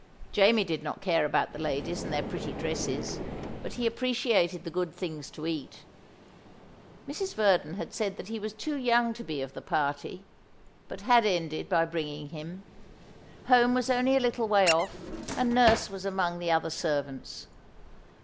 Jamie did not care about the ladies and their pretty dresses; but he appreciated the good things to eat. Mrs. Verdon had said that he was too young to be of the party, but had ended by bringing him. Home was only a little way off, and nurse was among the other servants.